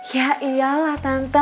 ya iyalah tante